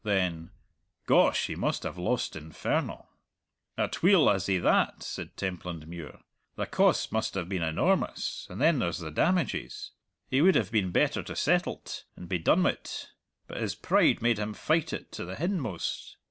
Then "Gosh, he must have lost infernal!" "Atweel has he that," said Templandmuir. "The costs must have been enormous, and then there's the damages. He would have been better to settle't and be done wi't, but his pride made him fight it to the hindmost!